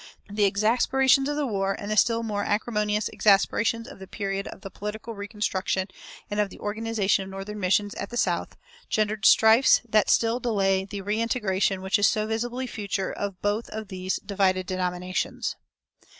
The exasperations of the war, and the still more acrimonious exasperations of the period of the political reconstruction and of the organization of northern missions at the South, gendered strifes that still delay the reintegration which is so visibly future of both of these divided denominations.